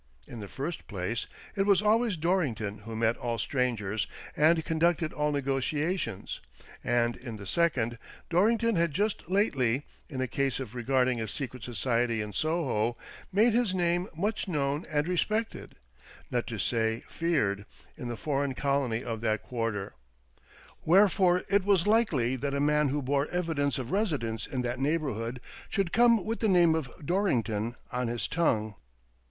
In the first place, it was always Dorrington who met all strangers and conducted all negotiations, and in the second, Dorrington had just lately, in a case regarding a secret society in Soho, made his name much known and respected, not to say feared, in the foreign colony of that quarter ; wherefore it was 106 TEE DOEBINGTON DEED BOX likely that a man who bore evidence of residence in that neighbourhood should come with the name of Dorrington on his tongue.